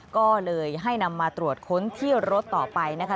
ก็เลยให้นำมาตรวจค้นที่รถต่อไปนะคะ